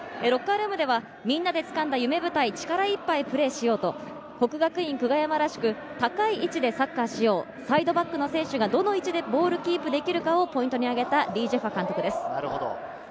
ロッカールームではみんなでつかんだ夢舞台、力いっぱいプレーしよう、國學院久我山らしく高い位置でサッカーをしよう、サイドバックの選手がどの位置でボールキープができるかをポイントにあげた李済華監督です。